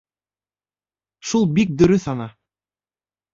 Шул бик дөрөҫ ана.